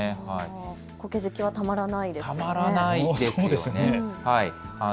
こけ好きはたまらないですよね。